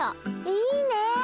いいねえ！